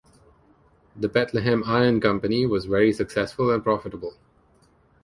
The Bethlehem Iron Company was very successful and profitable.